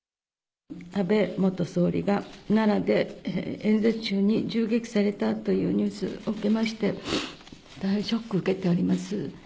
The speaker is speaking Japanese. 安倍元総理が奈良で演説中に銃撃されたというニュースを受けまして、大変ショックを受けております。